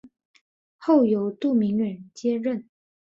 后由杜明远接任。